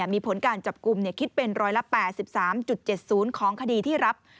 มีผลการจับกลุ่มคิดเป็นร้อยละ๘๓๗๐ของคดีที่รับ